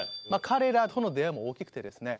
彼らとの出会いも大きくてですね。